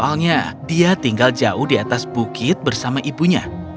awalnya dia tinggal jauh di atas bukit bersama ibunya